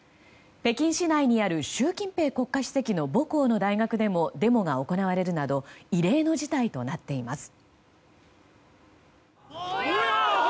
北京市内にある習近平国家主席の母校の大学でもデモが行われるなど異例の事態となっています。